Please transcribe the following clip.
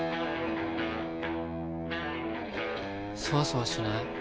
そわそわしない？